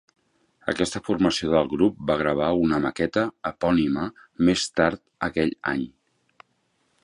Aquesta formació del grup va gravar una maqueta epònima més tard aquell any.